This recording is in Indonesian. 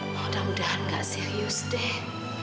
mudah mudahan gak serius deh